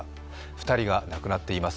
２人が亡くなっています。